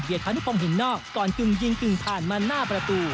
เบียดพนุภงเห็นนอกก่อนจึงยิงจึงผ่านมาหน้าประตู